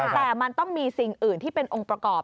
แต่มันต้องมีสิ่งอื่นที่เป็นองค์ประกอบ